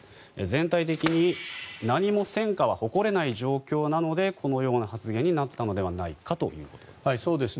全体的に何も戦果は誇れない状況なのでこのような発言になったのではないかということです。